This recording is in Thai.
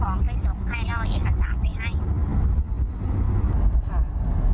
ก็เอาของไปส่งให้แล้วเอียดสาวไปให้